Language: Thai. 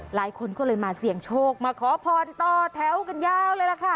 หลายคนก็เลยมาเสี่ยงโชคมาขอพรต่อแถวกันยาวเลยล่ะค่ะ